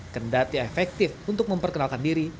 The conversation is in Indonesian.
kendati efektif untuk memperkenalkan diri